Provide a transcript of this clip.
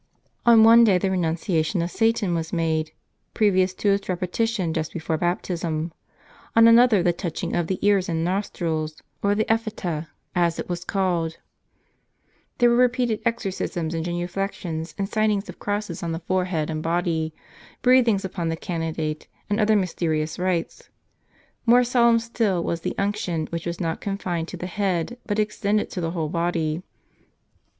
On one day the renunciation of Satan was made, previous to its repe tition just before baptism ; on another the touching of the ears and nostrils, or the EphpJieta, as it was called. Then were * Audientes. J Electi and coinpetentes. f G enuflectentes. tl repeated exorcisms, and genuflections, and signings of crosses on the forehead and body,* breathings upon the candidate, and other mysterious rites. More solemn still was the unction, which was not confined to the head, but extended to the whole body.